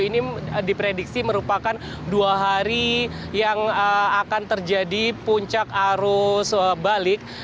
ini diprediksi merupakan dua hari yang akan terjadi puncak arus balik